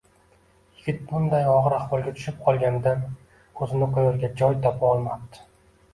Yigit bunday og'ir ahvolga tushib qolganidan o'zini qo'yarga joy topa olmabdi